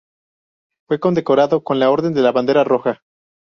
Fue condecorado con la Orden de la Bandera Roja.